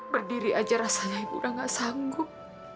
berdiri aja rasanya ibu udah gak sanggup